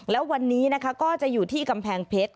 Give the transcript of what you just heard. แล้ววันนี้นะคะก็จะอยู่ที่กำแพงเพชร